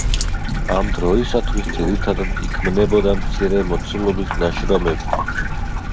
ამ დროისათვის ძირითადად იქმნებოდა მცირე მოცულობის ნაშრომები.